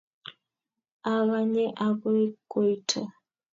Aganye agoi koito